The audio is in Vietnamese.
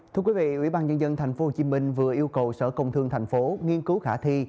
thưa quý vị ủy ban nhân dân tp hcm vừa yêu cầu sở công thương tp hcm nghiên cứu khả thi